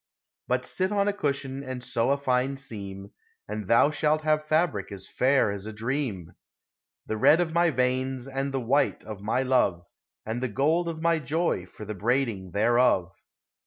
But sit on a cushion and sew a fine seam, And thou shalt have fabric as fair as a dream, The red of my veins, and the white of my love, And the gold of my joy for the braiding thereof.